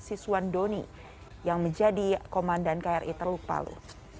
kri teluk palu menjadi komandan kri teluk palu